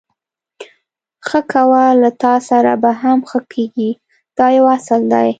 ښه کوه له تاسره به هم ښه کېږي دا یو اصل دی.